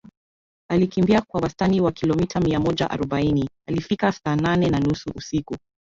Alikimbia kwa wastani wa kilomita mia moja arobaini alifika saa nane na nusu usiku